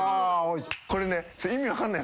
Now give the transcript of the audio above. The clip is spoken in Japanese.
これね。